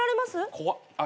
怖っ。